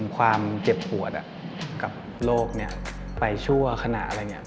ความเจ็บหัวดักกับโรคนี้ไปชั่วขนาดอะไรอย่างนี้